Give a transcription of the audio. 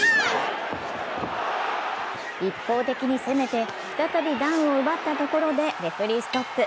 一方的に攻めて再びダウンを奪ったところでレフェリーストップ。